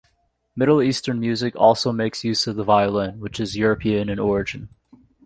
Middle Eastern music also makes use of the violin, which is European in origin.